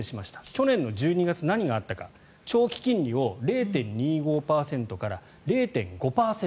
去年１２月、何があったか長期金利を０．２５％から０．５％。